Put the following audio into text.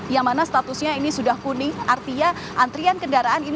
yang mana statusnya ini sudah kuning artinya antrian kendaraan ini